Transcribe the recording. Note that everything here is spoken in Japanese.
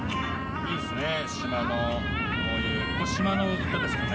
いいですね。